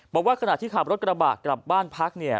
บอกว่าขณะที่ขับรถกระบะกลับบ้านพักเนี่ย